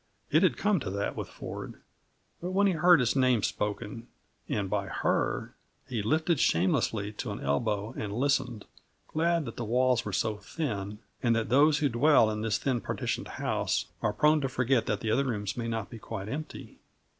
It had come to that, with Ford! But when he heard his name spoken, and by her, he lifted shamelessly to an elbow and listened, glad that the walls were so thin, and that those who dwell in thin partitioned houses are prone to forget that the other rooms may not be quite empty.